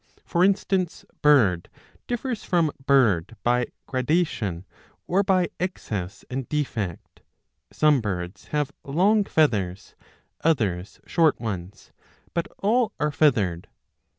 For instance bird differs from bird by gradation, or by excess and defect ; some birds have long feathers, others short ones, but all are feathered.